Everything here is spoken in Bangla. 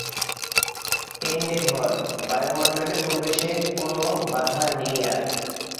এনডেভর, বায়ুমন্ডলে প্রবেশে কোনও বাধা নেই আর।